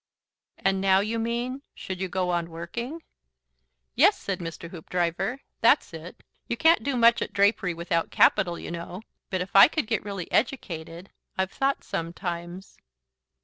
"And now you mean, should you go on working?" "Yes," said Mr. Hoopdriver. "That's it. You can't do much at drapery without capital, you know. But if I could get really educated. I've thought sometimes..."